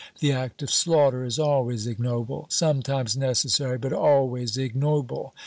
The act of slaughter is always ignoble; sometimes necessary, but always ignoble.